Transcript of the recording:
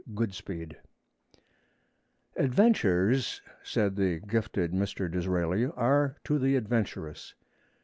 Goodspeed 'ADVENTURES,' said the gifted Mr. Disraeli, 'are to the adventurous.'